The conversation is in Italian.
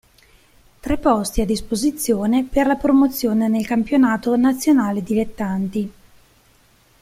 Tre posti a disposizione per la promozione nel Campionato Nazionale Dilettanti.